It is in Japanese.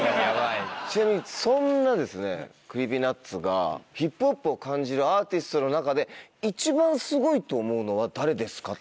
ちなみにそんなＣｒｅｅｐｙＮｕｔｓがヒップホップを感じるアーティストの中で一番すごいと思うのは誰ですか？